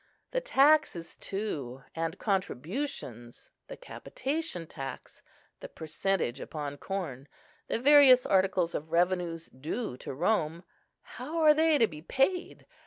The taxes, too, and contributions, the capitation tax, the percentage upon corn, the various articles of revenues due to Rome, how are they to be paid?